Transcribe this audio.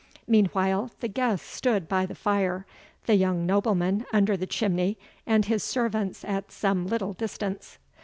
Meanwhile the guests stood by the fire the young nobleman under the chimney, and his servants at some little distance.